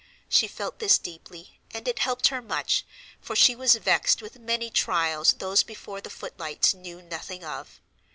She felt this deeply, and it helped her much, for she was vexed with many trials those before the footlights knew nothing of.